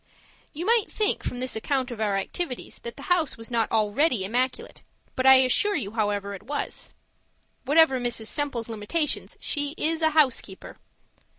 You might think, from this account of our activities, that the house was not already immaculate; but I assure you it was! Whatever Mrs. Semple's limitations, she is a HOUSEKEEPER.